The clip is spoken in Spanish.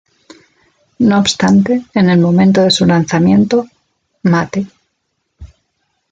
No obstante, en el momento de su lanzamiento "Mate.